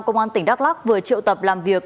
công an tỉnh đắk lắc vừa triệu tập làm việc